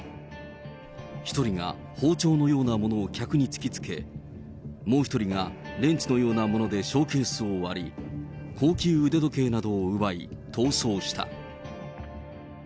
１人が包丁のようなものを客に突きつけ、もう１人がレンチのようなものでショーケースを割り、高級腕時計などを奪い逃走した。